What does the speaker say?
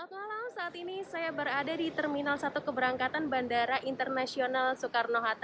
halo saat ini saya berada di terminal satu keberangkatan bandara internasional soekarno hatta